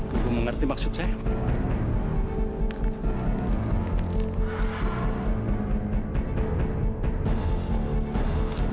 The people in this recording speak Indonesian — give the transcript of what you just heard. ibu mengerti maksud saya